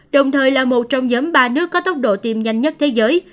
đồng thời là một trong nhóm ba nước có tốc độ tiêm nhanh nhất thế giới